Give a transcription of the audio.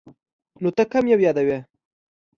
نو ته کوم یو یادوې ؟